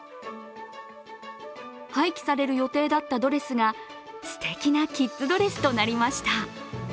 廃棄される予定だったドレスがすてきなキッズドレスとなりました。